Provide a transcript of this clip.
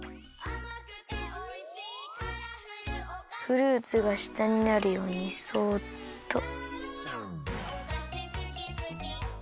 フルーツがしたになるようにそっと。